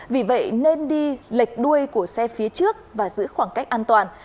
vì vậy nên đi lệch đuôi của xe phía trước và giữ khoảng cách an toàn